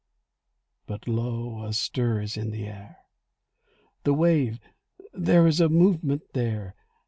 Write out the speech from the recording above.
But lo, a stir is in the air! The wave—there is a movement there!